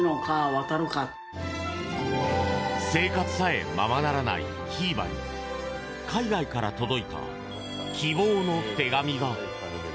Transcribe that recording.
生活さえままならないひーばに海外から届いた希望の手紙が。